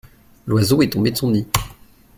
L’oiseau est tombé de son nid.